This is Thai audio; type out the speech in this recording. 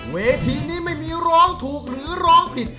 เวทีนี้ไม่มีร้องถูกหรือร้องผิด